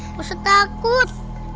gak usah takut